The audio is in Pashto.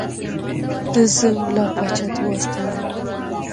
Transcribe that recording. ده زه ملا پاچا ته واستولم.